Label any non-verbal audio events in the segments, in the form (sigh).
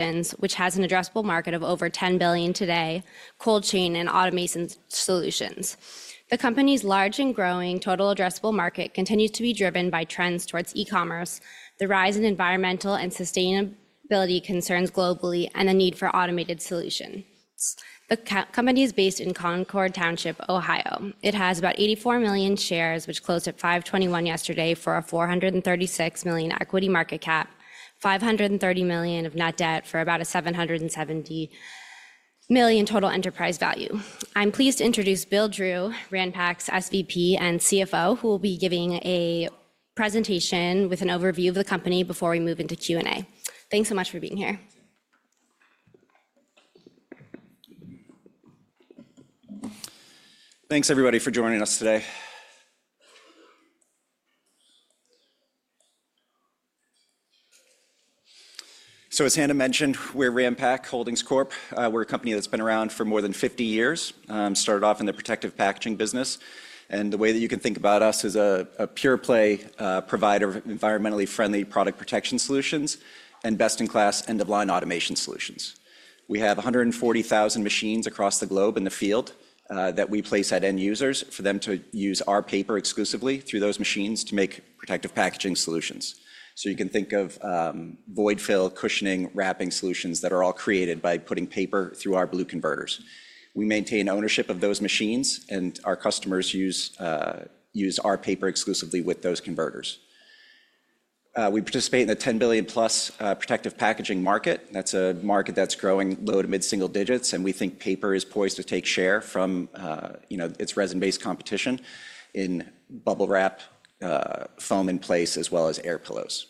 Vins, which has an addressable market of over $10 billion today, cold chain, and automation solutions. The company's large and growing total addressable market continues to be driven by trends towards e-commerce, the rise in environmental and sustainability concerns globally, and the need for automated solutions. The company is based in Concord Township, Ohio. It has about 84 million shares, which closed at $5.21 yesterday for a $436 million equity market cap, $530 million of net debt for about a $770 million total enterprise value. I'm pleased to introduce Bill Drew, Ranpak SVP and CFO, who will be giving a presentation with an overview of the company before we move into Q&A. Thanks so much for being here. Thanks, everybody, for joining us today. As Hannah mentioned, we're Ranpak Holdings Corp. We're a company that's been around for more than 50 years. Started off in the protective packaging business. The way that you can think about us is a pure-play provider of environmentally friendly product protection solutions and best-in-class end-of-line automation solutions. We have 140,000 machines across the globe in the field that we place at end users for them to use our paper exclusively through those machines to make protective packaging solutions. You can think of void-fill, cushioning, wrapping solutions that are all created by putting paper through our blue converters. We maintain ownership of those machines, and our customers use our paper exclusively with those converters. We participate in the $10 billion-plus protective packaging market. That's a market that's growing low to mid-single digits, and we think paper is poised to take share from its resin-based competition in bubble wrap, foam-in-place, as well as air pillows.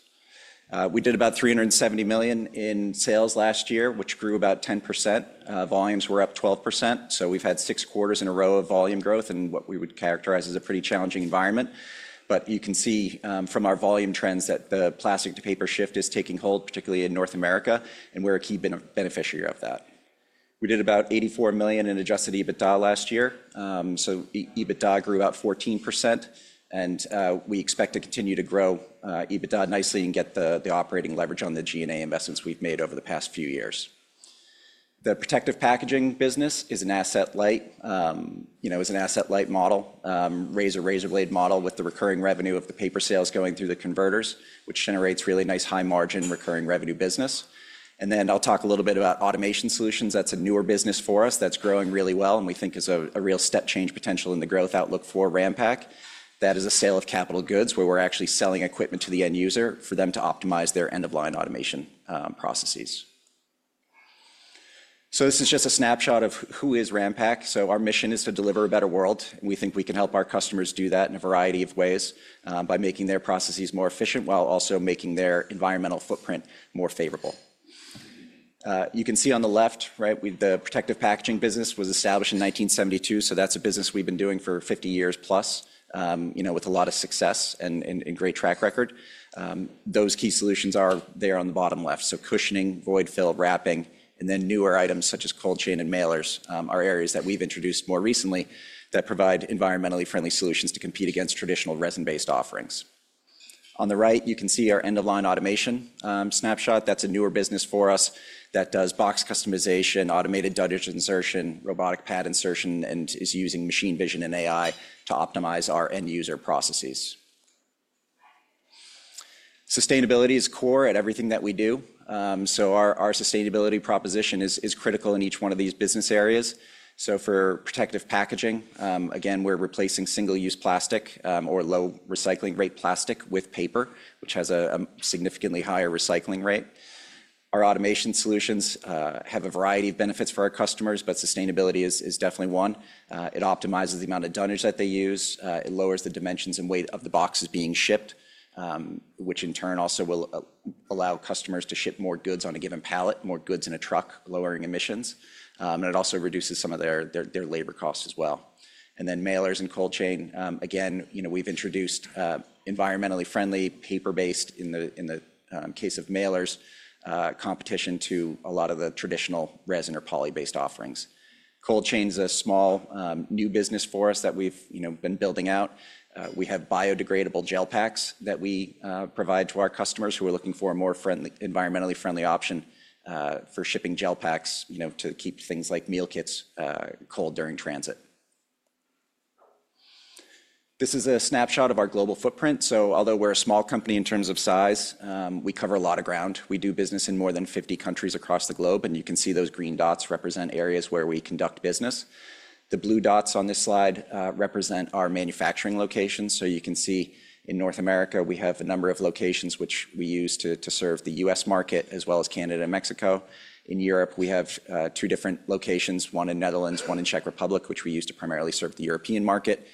We did about $370 million in sales last year, which grew about 10%. Volumes were up 12%. We have had six quarters in a row of volume growth in what we would characterize as a pretty challenging environment. You can see from our volume trends that the plastic-to-paper shift is taking hold, particularly in North America, and we're a key beneficiary of that. We did about $84 million in adjusted EBITDA last year. EBITDA grew about 14%, and we expect to continue to grow EBITDA nicely and get the operating leverage on the G&A investments we've made over the past few years. The protective packaging business is an asset-light model, a razor-blade model with the recurring revenue of the paper sales going through the converters, which generates really nice high-margin recurring revenue business. I'll talk a little bit about automation solutions. That's a newer business for us that's growing really well and we think has a real step-change potential in the growth outlook for Ranpak. That is a sale of capital goods where we're actually selling equipment to the end user for them to optimize their end-of-line automation processes. This is just a snapshot of who is Ranpak. Our mission is to deliver a better world. We think we can help our customers do that in a variety of ways by making their processes more efficient while also making their environmental footprint more favorable. You can see on the left, right, the protective packaging business was established in 1972. That's a business we've been doing for 50 years plus with a lot of success and a great track record. Those key solutions are there on the bottom left. Cushioning, void-fill, wrapping, and then newer items such as cold chain and mailers are areas that we've introduced more recently that provide environmentally friendly solutions to compete against traditional resin-based offerings. On the right, you can see our end-of-line automation snapshot. That's a newer business for us that does box customization, automated dunnage insertion, robotic pad insertion, and is using machine vision and AI to optimize our end user processes. Sustainability is core at everything that we do. Our sustainability proposition is critical in each one of these business areas. For protective packaging, again, we're replacing single-use plastic or low recycling rate plastic with paper, which has a significantly higher recycling rate. Our automation solutions have a variety of benefits for our customers, but sustainability is definitely one. It optimizes the amount of dunnage that they use. It lowers the dimensions and weight of the boxes being shipped, which in turn also will allow customers to ship more goods on a given pallet, more goods in a truck, lowering emissions. It also reduces some of their labor costs as well. Mailers and cold chain, again, we've introduced environmentally friendly paper-based, in the case of mailers, competition to a lot of the traditional resin or poly-based offerings. Cold chain is a small new business for us that we've been building out. We have biodegradable gel packs that we provide to our customers who are looking for a more environmentally friendly option for shipping gel packs to keep things like meal kits cold during transit. This is a snapshot of our global footprint. Although we're a small company in terms of size, we cover a lot of ground. We do business in more than 50 countries across the globe, and you can see those green dots represent areas where we conduct business. The blue dots on this slide represent our manufacturing locations. You can see in North America, we have a number of locations which we use to serve the U.S. market as well as Canada and Mexico. In Europe, we have two different locations, one in the Netherlands, one in the Czech Republic, which we use to primarily serve the European market.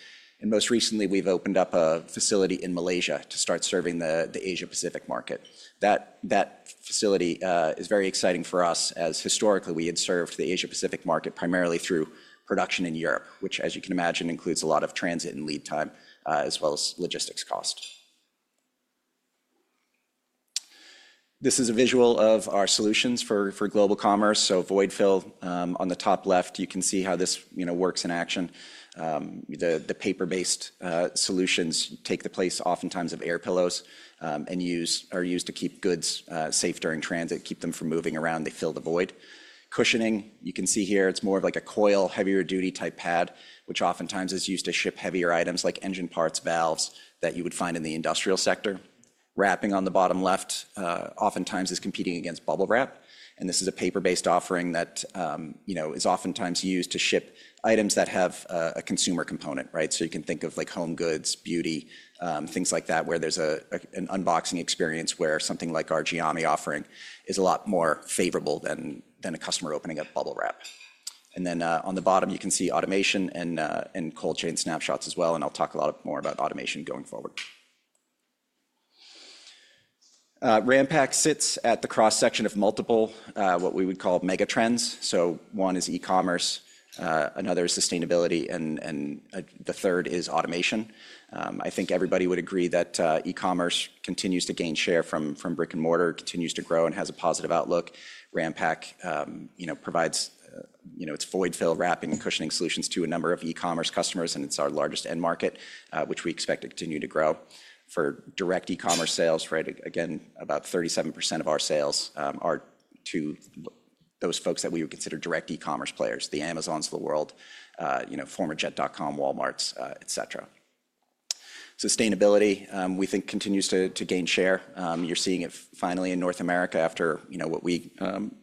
Most recently, we've opened up a facility in Malaysia to start serving the Asia-Pacific market. That facility is very exciting for us as historically we had served the Asia-Pacific market primarily through production in Europe, which, as you can imagine, includes a lot of transit and lead time as well as logistics cost. This is a visual of our solutions for global commerce. Void-fill on the top left, you can see how this works in action. The paper-based solutions take the place oftentimes of air pillows and are used to keep goods safe during transit, keep them from moving around, they fill the void. Cushioning, you can see here, it's more of like a coil heavier duty type pad, which oftentimes is used to ship heavier items like engine parts, valves that you would find in the industrial sector. Wrapping on the bottom left oftentimes is competing against bubble wrap. This is a paper-based offering that is oftentimes used to ship items that have a consumer component, right? You can think of like home goods, beauty, things like that where there's an unboxing experience where something like our Geami offering is a lot more favorable than a customer opening up bubble wrap. On the bottom, you can see automation and cold chain snapshots as well. I'll talk a lot more about automation going forward. Ranpak sits at the cross-section of multiple what we would call mega trends. One is e-commerce, another is sustainability, and the third is automation. I think everybody would agree that e-commerce continues to gain share from brick and mortar, continues to grow, and has a positive outlook. Ranpak provides its void-fill, wrapping, and cushioning solutions to a number of e-commerce customers, and it's our largest end market, which we expect to continue to grow. For direct e-commerce sales, right, again, about 37% of our sales are to those folks that we would consider direct e-commerce players, the Amazons of the world, former Jet.com, Walmarts, et cetera. Sustainability, we think, continues to gain share. You're seeing it finally in North America after what we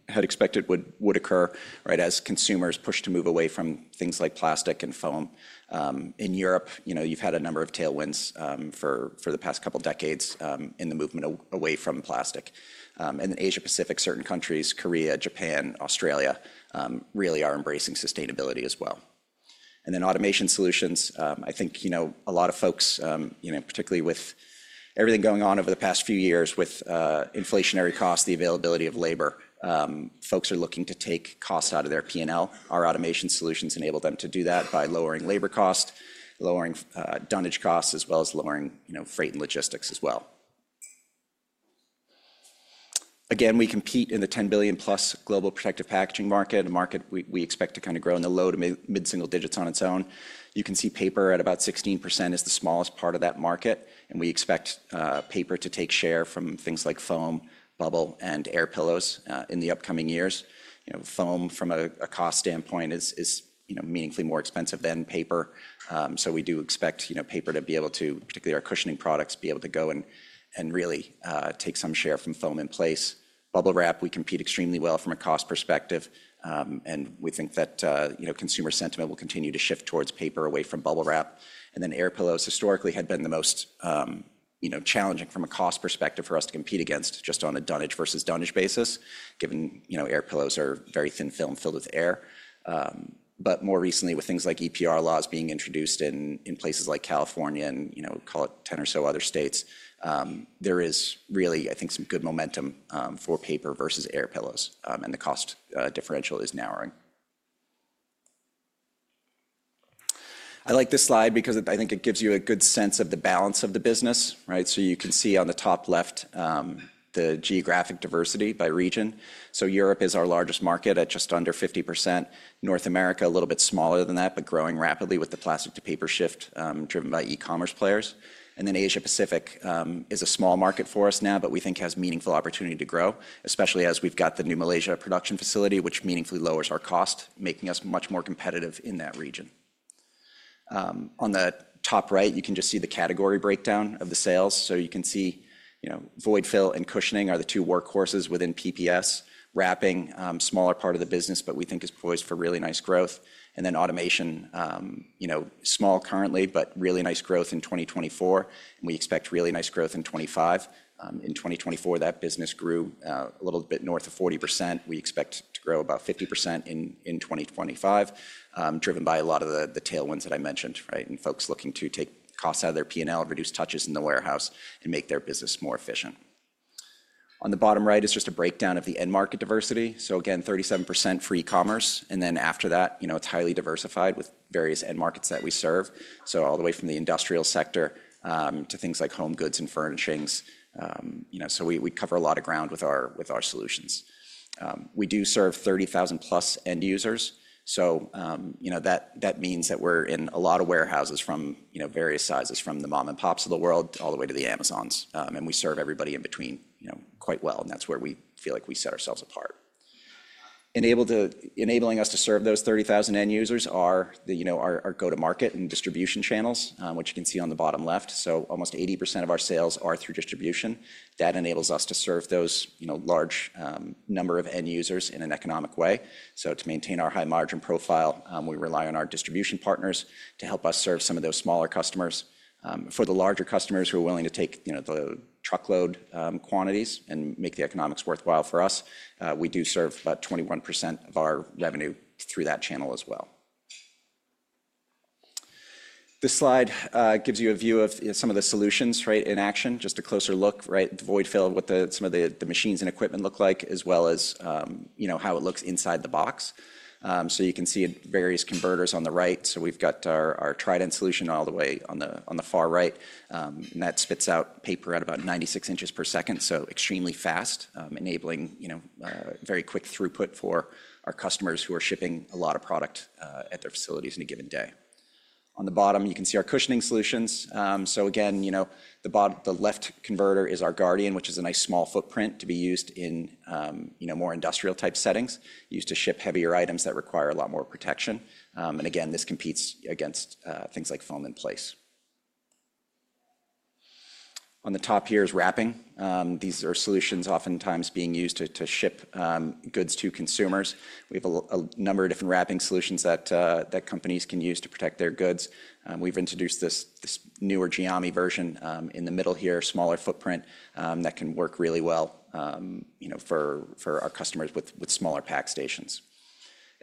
had expected would occur, right, as consumers push to move away from things like plastic and foam. In Europe, you've had a number of tailwinds for the past couple of decades in the movement away from plastic. In Asia-Pacific, certain countries, Korea, Japan, Australia really are embracing sustainability as well. Automation solutions, I think a lot of folks, particularly with everything going on over the past few years with inflationary costs, the availability of labor, folks are looking to take costs out of their P&L. Our automation solutions enable them to do that by lowering labor costs, lowering dunnage costs, as well as lowering freight and logistics as well. Again, we compete in the $10 billion-plus global protective packaging market, a market we expect to kind of grow in the low to mid-single digits on its own. You can see paper at about 16% is the smallest part of that market. We expect paper to take share from things like foam, bubble, and air pillows in the upcoming years. Foam, from a cost standpoint, is meaningfully more expensive than paper. We do expect paper to be able to, particularly our cushioning products, be able to go and really take some share from foam-in-place. Bubble wrap, we compete extremely well from a cost perspective. We think that consumer sentiment will continue to shift towards paper away from bubble wrap. Air pillows historically had been the most challenging from a cost perspective for us to compete against just on a dunnage versus dunnage basis, given air pillows are very thin film filled with air. More recently, with things like EPR laws being introduced in places like California and we call it 10 or so other states, there is really, I think, some good momentum for paper versus air pillows, and the cost differential is narrowing. I like this slide because I think it gives you a good sense of the balance of the business, right? You can see on the top left the geographic diversity by region. Europe is our largest market at just under 50%. North America, a little bit smaller than that, but growing rapidly with the plastic-to-paper shift driven by e-commerce players. Asia-Pacific is a small market for us now, but we think has meaningful opportunity to grow, especially as we have the new Malaysia production facility, which meaningfully lowers our cost, making us much more competitive in that region. On the top right, you can see the category breakdown of the sales. You can see void-fill and cushioning are the two workhorses within PPS. Wrapping, a smaller part of the business, but we think is poised for really nice growth. Automation, small currently, but really nice growth in 2024. We expect really nice growth in 2025. In 2024, that business grew a little bit north of 40%. We expect to grow about 50% in 2025, driven by a lot of the tailwinds that I mentioned, right? Folks looking to take costs out of their P&L, reduce touches in the warehouse, and make their business more efficient. On the bottom right is just a breakdown of the end market diversity. Again, 37% for e-commerce. After that, it is highly diversified with various end markets that we serve, all the way from the industrial sector to things like home goods and furnishings. We cover a lot of ground with our solutions. We do serve 30,000-plus end users. That means that we are in a lot of warehouses from various sizes, from the mom-and-pops of the world all the way to the Amazons. We serve everybody in between quite well. That is where we feel like we set ourselves apart. Enabling us to serve those 30,000 end users are our go-to-market and distribution channels, which you can see on the bottom left. Almost 80% of our sales are through distribution. That enables us to serve those large number of end users in an economic way. To maintain our high-margin profile, we rely on our distribution partners to help us serve some of those smaller customers. For the larger customers who are willing to take the truckload quantities and make the economics worthwhile for us, we do serve about 21% of our revenue through that channel as well. This slide gives you a view of some of the solutions, right, in action, just a closer look, right? The void-fill, what some of the machines and equipment look like, as well as how it looks inside the box. You can see various converters on the right. We have our Trident solution all the way on the far right. That spits out paper at about 96 inches per second, so extremely fast, enabling very quick throughput for our customers who are shipping a lot of product at their facilities in a given day. On the bottom, you can see our cushioning solutions. The left converter is our Guardian, which is a nice small footprint to be used in more industrial-type settings, used to ship heavier items that require a lot more protection. This competes against things like foam-in-place. On the top here is wrapping. These are solutions oftentimes being used to ship goods to consumers. We have a number of different wrapping solutions that companies can use to protect their goods. We've introduced this newer Giami version in the middle here, smaller footprint that can work really well for our customers with smaller pack stations.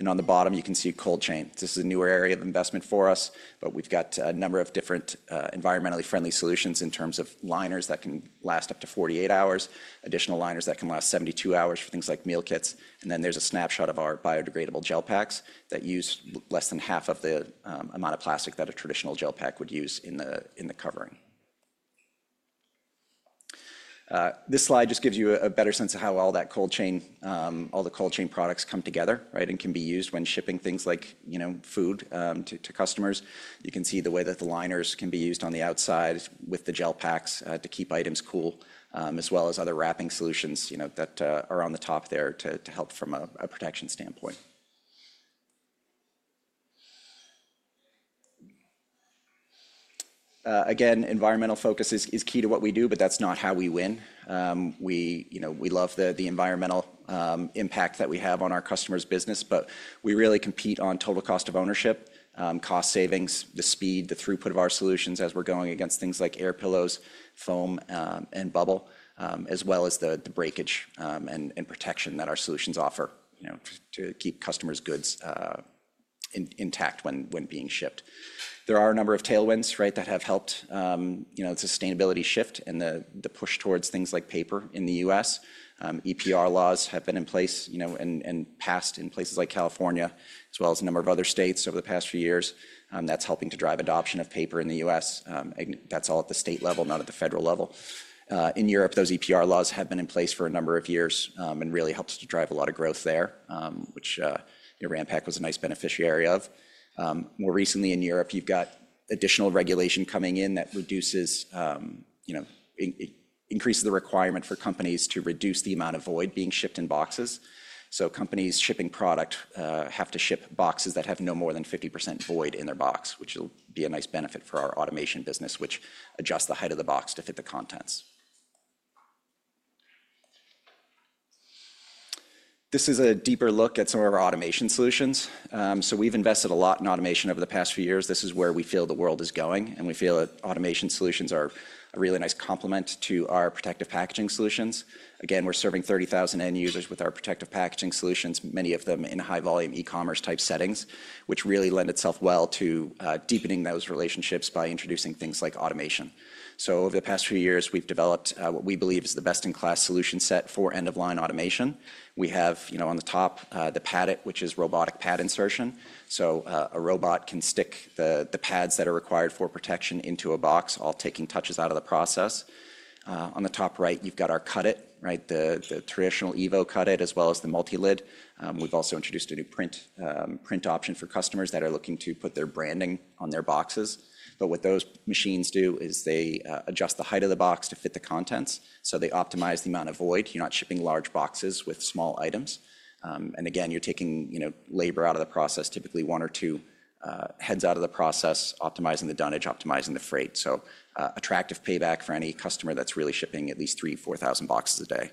On the bottom, you can see cold chain. This is a newer area of investment for us, but we've got a number of different environmentally friendly solutions in terms of liners that can last up to 48 hours, additional liners that can last 72 hours for things like meal kits. There's a snapshot of our biodegradable gel packs that use less than half of the amount of plastic that a traditional gel pack would use in the covering. This slide just gives you a better sense of how all that cold chain, all the cold chain products come together, right, and can be used when shipping things like food to customers. You can see the way that the liners can be used on the outside with the gel packs to keep items cool, as well as other wrapping solutions that are on the top there to help from a protection standpoint. Again, environmental focus is key to what we do, but that's not how we win. We love the environmental impact that we have on our customers' business, but we really compete on total cost of ownership, cost savings, the speed, the throughput of our solutions as we're going against things like air pillows, foam, and bubble, as well as the breakage and protection that our solutions offer to keep customers' goods intact when being shipped. There are a number of tailwinds, right, that have helped the sustainability shift and the push towards things like paper in the U.S. EPR laws have been in place and passed in places like California, as well as a number of other states over the past few years. That's helping to drive adoption of paper in the U.S. That's all at the state level, not at the federal level. In Europe, those EPR laws have been in place for a number of years and really helped to drive a lot of growth there, which Ranpak was a nice beneficiary of. More recently in Europe, you've got additional regulation coming in that increases the requirement for companies to reduce the amount of void being shipped in boxes. Companies shipping product have to ship boxes that have no more than 50% void in their box, which will be a nice benefit for our automation business, which adjusts the height of the box to fit the contents. This is a deeper look at some of our automation solutions. We have invested a lot in automation over the past few years. This is where we feel the world is going. We feel that automation solutions are a really nice complement to our protective packaging solutions. Again, we are serving 30,000 end users with our protective packaging solutions, many of them in high-volume e-commerce-type settings, which really lends itself well to deepening those relationships by introducing things like automation. Over the past few years, we have developed what we believe is the best-in-class solution set for end-of-line automation. We have on the top the Geami, which is robotic pad insertion. A robot can stick the pads that are required for protection into a box, all taking touches out of the process. On the top right, you have got our Cut'it!, right? The traditional EVO Cut'it!, as well as the multi-lid. We have also introduced a new print option for customers that are looking to put their branding on their boxes. What those machines do is they adjust the height of the box to fit the contents. They optimize the amount of void. You are not shipping large boxes with small items. You are taking labor out of the process, typically one or two heads out of the process, optimizing the dunnage, optimizing the freight. Attractive payback for any customer that is really shipping at least 3,000-4,000 boxes a day.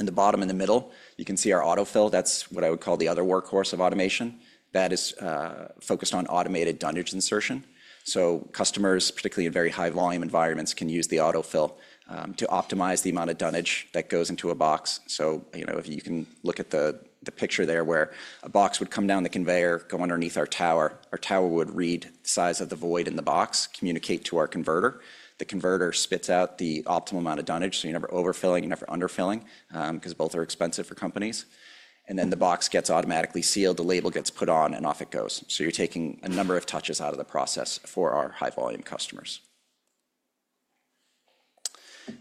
In the bottom in the middle, you can see our AutoFill. That is what I would call the other workhorse of automation. That is focused on automated dunnage insertion. Customers, particularly in very high-volume environments, can use the AutoFill to optimize the amount of dunnage that goes into a box. You can look at the picture there where a box would come down the conveyor, go underneath our tower. Our tower would read the size of the void in the box, communicate to our converter. The converter spits out the optimal amount of dunnage. You're never overfilling, you're never underfilling, because both are expensive for companies. The box gets automatically sealed, the label gets put on, and off it goes. You're taking a number of touches out of the process for our high-volume customers.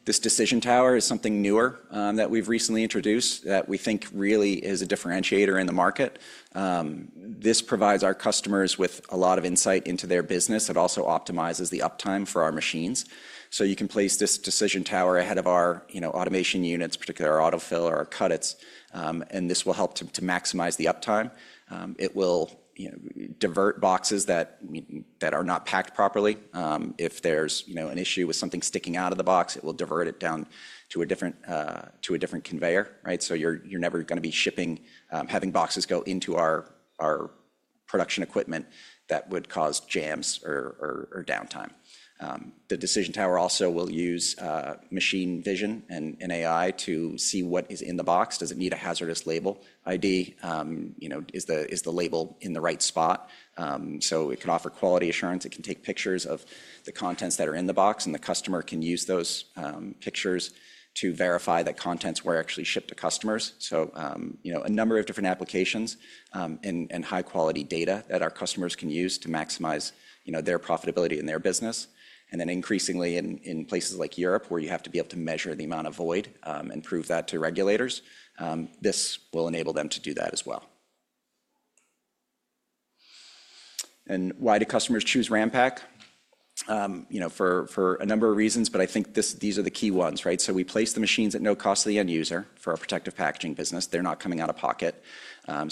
This Decision Tower is something newer that we've recently introduced that we think really is a differentiator in the market. This provides our customers with a lot of insight into their business. It also optimizes the uptime for our machines. You can place this Decision Tower ahead of our automation units, particularly our AutoFill or our Cut'it!. This will help to maximize the uptime. It will divert boxes that are not packed properly. If there is an issue with something sticking out of the box, it will divert it down to a different conveyor, right? You are never going to be having boxes go into our production equipment that would cause jams or downtime. The Decision Tower also will use machine vision and AI to see what is in the box. Does it need a hazardous label ID? Is the label in the right spot? It can offer quality assurance. It can take pictures of the contents that are in the box. The customer can use those pictures to verify that contents were actually shipped to customers. A number of different applications and high-quality data that our customers can use to maximize their profitability in their business. Increasingly in places like Europe, where you have to be able to measure the amount of void and prove that to regulators, this will enable them to do that as well. Why do customers choose Ranpak? For a number of reasons, but I think these are the key ones, right? We place the machines at no cost to the end user for our protective packaging business. They're not coming out of pocket.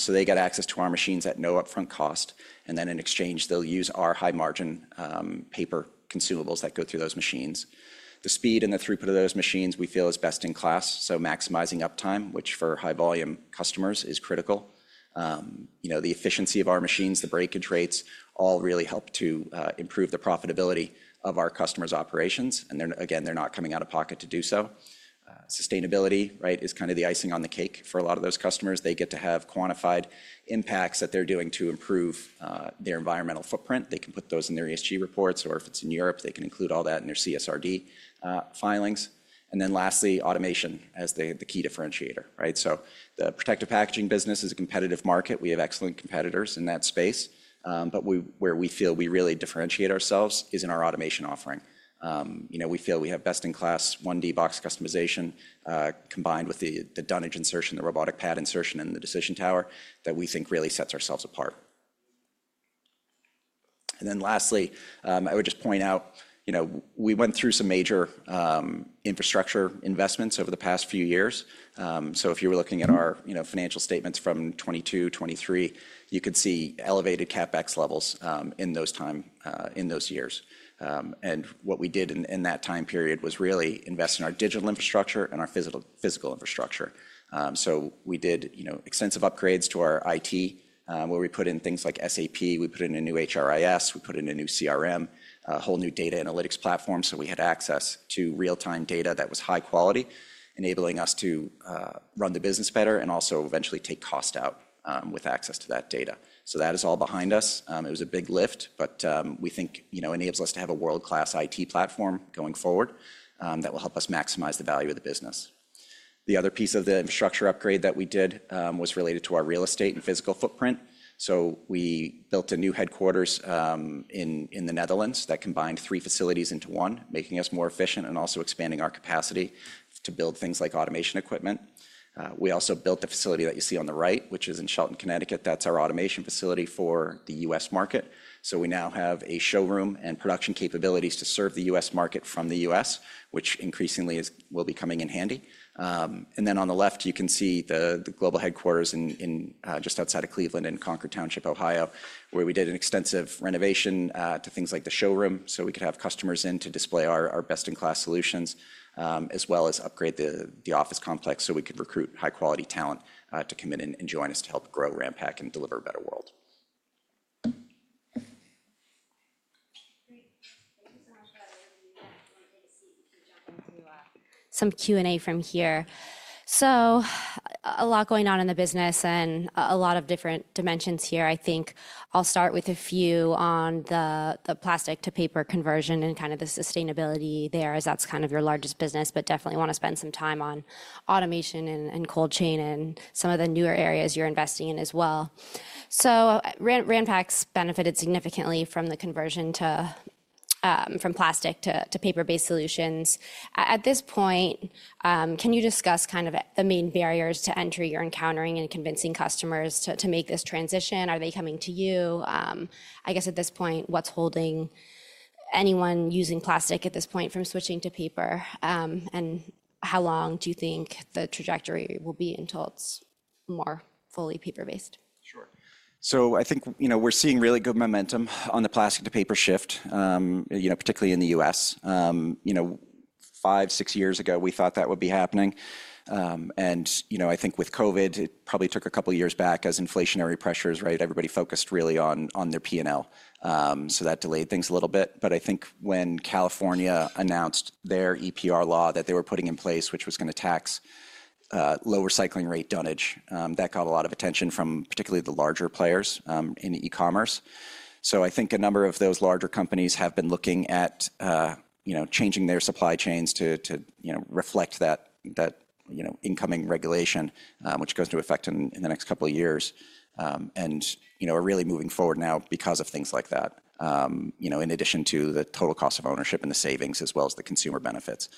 They get access to our machines at no upfront cost. In exchange, they'll use our high-margin paper consumables that go through those machines. The speed and the throughput of those machines we feel is best in class. Maximizing uptime, which for high-volume customers is critical. The efficiency of our machines, the breakage rates, all really help to improve the profitability of our customers' operations. Again, they're not coming out of pocket to do so. Sustainability, right, is kind of the icing on the cake for a lot of those customers. They get to have quantified impacts that they're doing to improve their environmental footprint. They can put those in their ESG reports. If it's in Europe, they can include all that in their CSRD filings. Lastly, automation as the key differentiator, right? The protective packaging business is a competitive market. We have excellent competitors in that space. Where we feel we really differentiate ourselves is in our automation offering. We feel we have best-in-class 1D box customization combined with the dunnage insertion, the robotic pad insertion, and the Decision Tower that we think really sets ourselves apart. Lastly, I would just point out we went through some major infrastructure investments over the past few years. If you were looking at our financial statements from 2022, 2023, you could see elevated CapEx levels in those years. What we did in that time period was really invest in our digital infrastructure and our physical infrastructure. We did extensive upgrades to our IT, where we put in things like SAP. We put in a new HRIS. We put in a new CRM, a whole new data analytics platform. We had access to real-time data that was high quality, enabling us to run the business better and also eventually take cost out with access to that data. That is all behind us. It was a big lift, but we think enables us to have a world-class IT platform going forward that will help us maximize the value of the business. The other piece of the infrastructure upgrade that we did was related to our real estate and physical footprint. We built a new headquarters in the Netherlands that combined three facilities into one, making us more efficient and also expanding our capacity to build things like automation equipment. We also built the facility that you see on the right, which is in Shelton, Connecticut. That is our automation facility for the U.S. market. We now have a showroom and production capabilities to serve the U.S. market from the U.S., which increasingly will be coming in handy. On the left, you can see the global headquarters just outside of Cleveland in Concord Township, Ohio, where we did an extensive renovation to things like the showroom so we could have customers in to display our best-in-class solutions, as well as upgrade the office complex so we could recruit high-quality talent to come in and join us to help grow Ranpak and deliver a better world. (inaudible) some Q&A from here. A lot going on in the business and a lot of different dimensions here. I think I'll start with a few on the plastic to paper conversion and kind of the sustainability there, as that's kind of your largest business, but definitely want to spend some time on automation and cold chain and some of the newer areas you're investing in as well. Ranpak's benefited significantly from the conversion from plastic to paper-based solutions. At this point, can you discuss kind of the main barriers to entry you're encountering in convincing customers to make this transition? Are they coming to you? I guess at this point, what's holding anyone using plastic at this point from switching to paper? How long do you think the trajectory will be until it's more fully paper-based? Sure. I think we're seeing really good momentum on the plastic to paper shift, particularly in the U.S. Five, six years ago, we thought that would be happening. I think with COVID, it probably took a couple of years back as inflationary pressures, right? Everybody focused really on their P&L. That delayed things a little bit. I think when California announced their EPR law that they were putting in place, which was going to tax lower recycling rate dunnage, that got a lot of attention from particularly the larger players in e-commerce. I think a number of those larger companies have been looking at changing their supply chains to reflect that incoming regulation, which goes into effect in the next couple of years, and are really moving forward now because of things like that, in addition to the total cost of ownership and the savings, as well as the consumer benefits.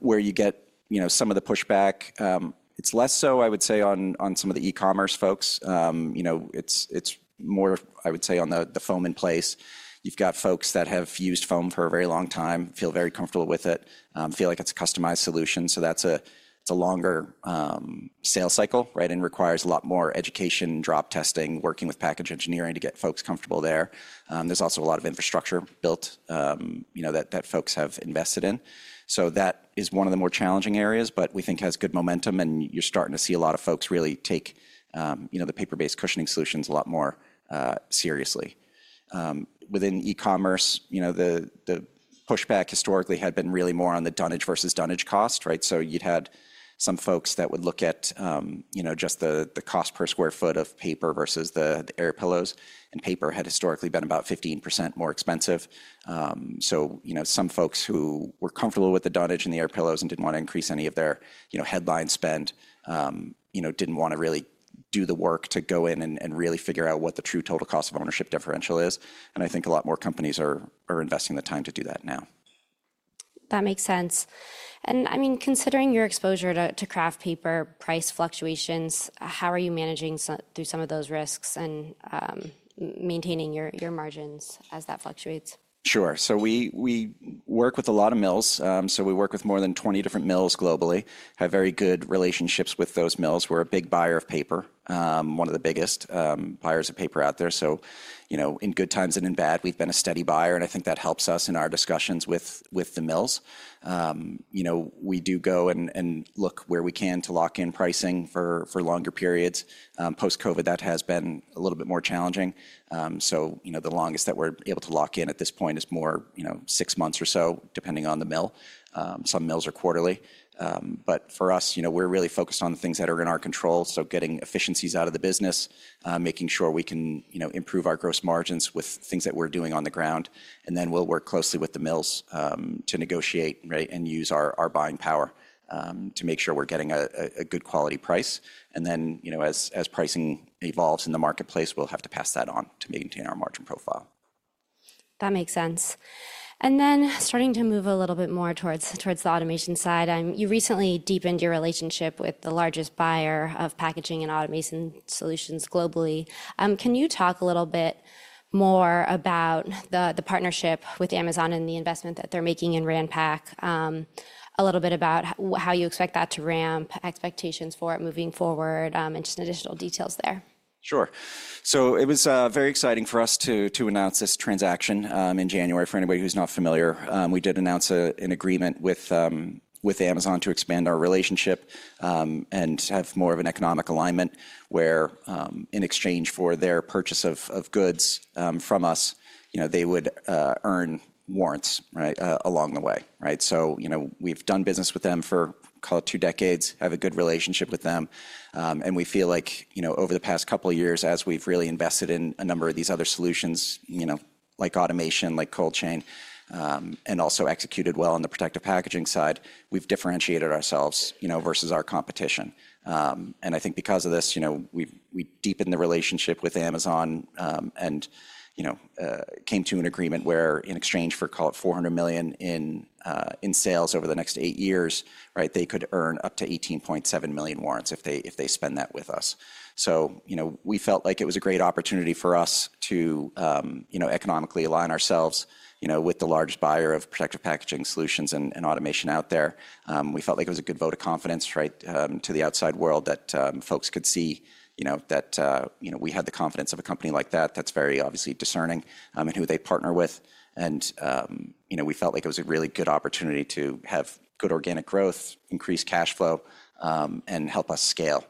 Where you get some of the pushback, it's less so, I would say, on some of the e-commerce folks. It's more, I would say, on the foam-in-place. You've got folks that have used foam for a very long time, feel very comfortable with it, feel like it's a customized solution. That's a longer sales cycle, right, and requires a lot more education, drop testing, working with package engineering to get folks comfortable there. There's also a lot of infrastructure built that folks have invested in. That is one of the more challenging areas, but we think has good momentum. You're starting to see a lot of folks really take the paper-based cushioning solutions a lot more seriously. Within e-commerce, the pushback historically had been really more on the dunnage versus dunnage cost, right? You had some folks that would look at just the cost per sq ft of paper versus the air pillows. Paper had historically been about 15% more expensive. Some folks who were comfortable with the dunnage and the air pillows and did not want to increase any of their headline spend did not want to really do the work to go in and really figure out what the true total cost of ownership differential is. I think a lot more companies are investing the time to do that now. That makes sense. I mean, considering your exposure to craft paper price fluctuations, how are you managing through some of those risks and maintaining your margins as that fluctuates? Sure. We work with a lot of mills. We work with more than 20 different mills globally, have very good relationships with those mills. We're a big buyer of paper, one of the biggest buyers of paper out there. In good times and in bad, we've been a steady buyer. I think that helps us in our discussions with the mills. We do go and look where we can to lock in pricing for longer periods. Post-COVID, that has been a little bit more challenging. The longest that we're able to lock in at this point is more six months or so, depending on the mill. Some mills are quarterly. For us, we're really focused on the things that are in our control. Getting efficiencies out of the business, making sure we can improve our gross margins with things that we're doing on the ground. We'll work closely with the mills to negotiate and use our buying power to make sure we're getting a good quality price. As pricing evolves in the marketplace, we'll have to pass that on to maintain our margin profile. That makes sense. Starting to move a little bit more towards the automation side, you recently deepened your relationship with the largest buyer of packaging and automation solutions globally. Can you talk a little bit more about the partnership with Amazon and the investment that they're making in Ranpak, a little bit about how you expect that to ramp, expectations for it moving forward, and just additional details there? Sure. It was very exciting for us to announce this transaction in January. For anybody who's not familiar, we did announce an agreement with Amazon to expand our relationship and have more of an economic alignment where, in exchange for their purchase of goods from us, they would earn warrants along the way. We've done business with them for, call it, two decades, have a good relationship with them. We feel like over the past couple of years, as we've really invested in a number of these other solutions, like automation, like cold chain, and also executed well on the protective packaging side, we've differentiated ourselves versus our competition. I think because of this, we've deepened the relationship with Amazon and came to an agreement where, in exchange for, call it, $400 million in sales over the next eight years, they could earn up to $18.7 million warrants if they spend that with us. We felt like it was a great opportunity for us to economically align ourselves with the largest buyer of protective packaging solutions and automation out there. We felt like it was a good vote of confidence to the outside world that folks could see that we had the confidence of a company like that that's very obviously discerning in who they partner with. We felt like it was a really good opportunity to have good organic growth, increase cash flow, and help us scale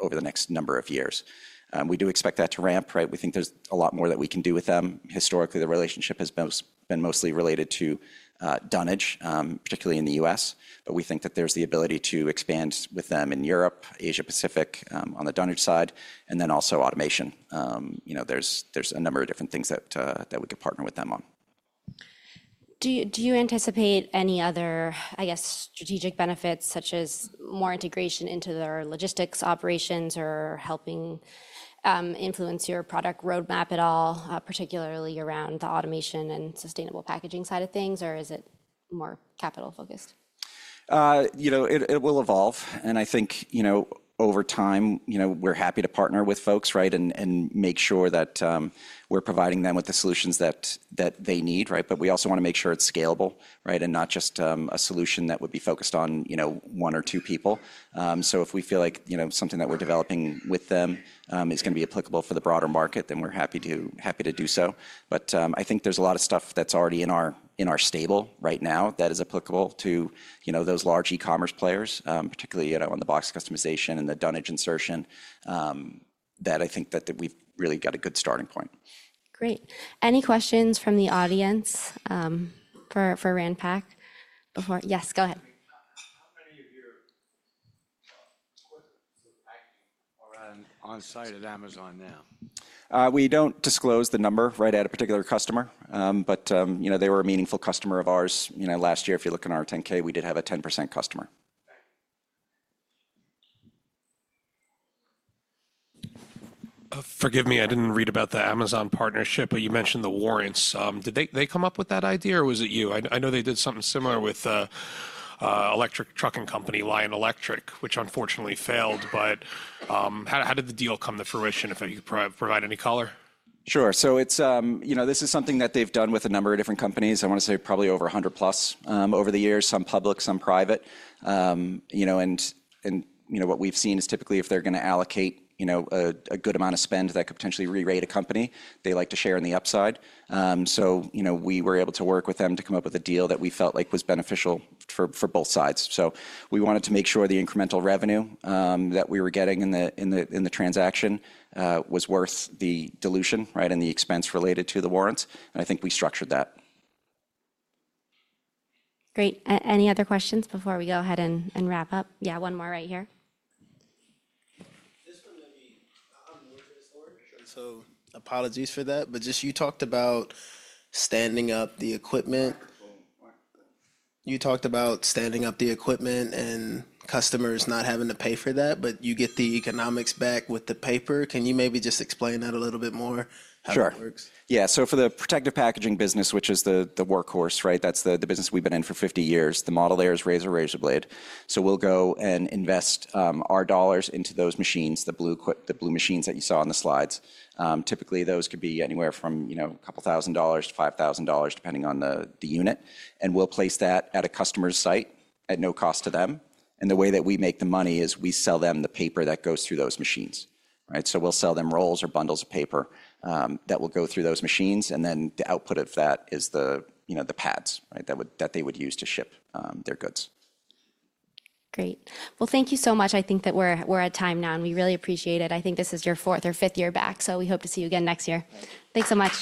over the next number of years. We do expect that to ramp. We think there's a lot more that we can do with them. Historically, the relationship has been mostly related to dunnage, particularly in the U.S. We think that there's the ability to expand with them in Europe, Asia-Pacific on the dunnage side, and then also automation. There's a number of different things that we could partner with them on. Do you anticipate any other, I guess, strategic benefits, such as more integration into their logistics operations or helping influence your product roadmap at all, particularly around the automation and sustainable packaging side of things, or is it more capital-focused? It will evolve. I think over time, we're happy to partner with folks and make sure that we're providing them with the solutions that they need. We also want to make sure it's scalable and not just a solution that would be focused on one or two people. If we feel like something that we're developing with them is going to be applicable for the broader market, then we're happy to do so. I think there's a lot of stuff that's already in our stable right now that is applicable to those large e-commerce players, particularly on the box customization and the dunnage insertion, that I think that we've really got a good starting point. Great. Any questions from the audience for Ranpak? Yes, go ahead. How many of your customers are on site at Amazon now? We don't disclose the number right at a particular customer. They were a meaningful customer of ours last year. If you look in our 10-K, we did have a 10% customer. Thank you. Forgive me, I didn't read about the Amazon partnership, but you mentioned the warrants. Did they come up with that idea, or was it you? I know they did something similar with electric trucking company, Lion Electric, which unfortunately failed. How did the deal come to fruition, if you could provide any color? Sure. This is something that they've done with a number of different companies. I want to say probably over 100 plus over the years, some public, some private. What we've seen is typically if they're going to allocate a good amount of spend that could potentially re-rate a company, they like to share in the upside. We were able to work with them to come up with a deal that we felt like was beneficial for both sides. We wanted to make sure the incremental revenue that we were getting in the transaction was worth the dilution and the expense related to the warrants. I think we structured that. Great. Any other questions before we go ahead and wrap up? Yeah, one more right here. This one may (inaudible) Apologies for that. You talked about standing up the equipment. You talked about standing up the equipment and customers not having to pay for that, but you get the economics back with the paper. Can you maybe just explain that a little bit more? Sure. Yeah. For the protective packaging business, which is the workhorse, that's the business we've been in for 50 years, the model there is razor razor blade. We will go and invest our dollars into those machines, the blue machines that you saw on the slides. Typically, those could be anywhere from a couple thousand dollars to $5,000, depending on the unit. We will place that at a customer's site at no cost to them. The way that we make the money is we sell them the paper that goes through those machines. We will sell them rolls or bundles of paper that will go through those machines. The output of that is the pads that they would use to ship their goods. Great. Thank you so much. I think that we're at time now, and we really appreciate it. I think this is your fourth or fifth year back, so we hope to see you again next year. Thanks so much.